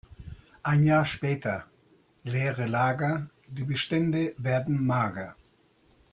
Ein Jahr später: Leere Lager, die Bestände werden mager.